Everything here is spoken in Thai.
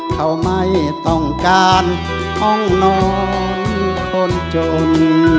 เขาไม่ต้องการห้องนอนคนจน